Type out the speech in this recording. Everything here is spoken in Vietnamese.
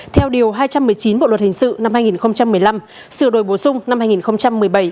theo điều hai trăm một mươi chín bộ luật hình sự năm hai nghìn một mươi năm sửa đổi bổ sung năm hai nghìn một mươi bảy